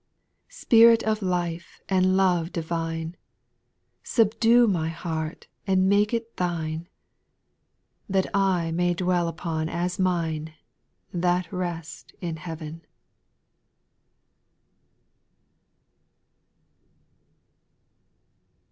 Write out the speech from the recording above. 5f Spirit of life and love divine, Subdue my heart and make it Thine, That I may dwell upon as mine, That " rest in heaven."